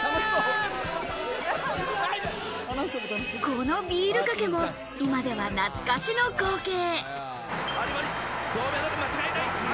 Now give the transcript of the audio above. このビールかけも今では懐かしの光景。